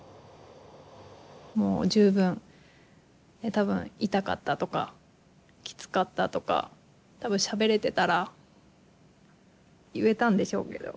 もう十分多分痛かったとかきつかったとか多分しゃべれてたら言えたんでしょうけど。